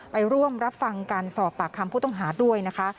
ไปร่วมรับฟังการสอบปากคำผู้ต้องหาด้วยนะคะ